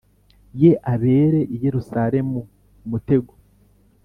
Ye abere i Yerusalemu umutego